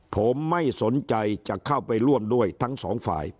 ผมไม่สนใจจะเข้าไปร่วมด้วยทั้งสองฝ่าย